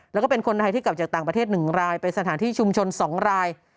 แล้วก็เป็นคนไทยที่กลับจากต่างประเทศ๑รายไปสถานที่ชุมชน๒ราย